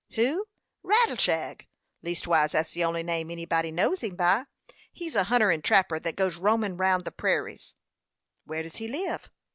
"Who?" "Rattleshag leastwise that's the only name anybody knows him by. He's a hunter 'n trapper that goes roamin' round over the peraries." "Where does he live?"